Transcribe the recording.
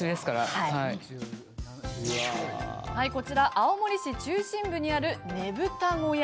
青森市中心部にあるねぶた小屋。